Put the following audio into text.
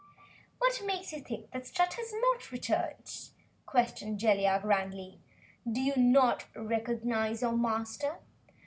"What makes you think Strut has NOT returned!" questioned Jellia, grandly. "Do you not recognize your Master!"